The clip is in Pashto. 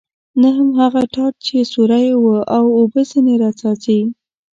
نه هم هغه ټاټ چې سوری و او اوبه ځنې را څاڅي.